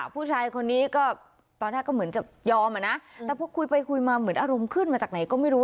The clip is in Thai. ผู้ชายคนนี้ก็ตอนแรกก็เหมือนจะยอมอ่ะนะแต่พอคุยไปคุยมาเหมือนอารมณ์ขึ้นมาจากไหนก็ไม่รู้